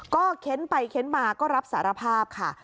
ก็เค้นไปเค้นมาก็รับสารภาพค่ะ